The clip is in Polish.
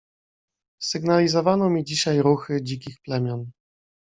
"„Sygnalizowano mi dzisiaj ruchy dzikich plemion."